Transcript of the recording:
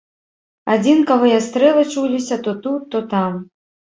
Адзінкавыя стрэлы чуліся то тут, то там.